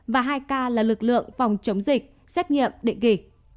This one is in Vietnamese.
và hai ca là lực lượng phòng chống dịch xét nghiệm định kỳ